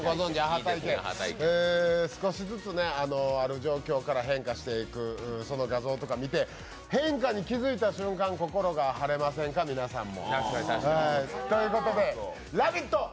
少しずつ、ある状況から変化していく、その画像とか見て変化に気づいた瞬間、心が晴れませんか、皆さんも。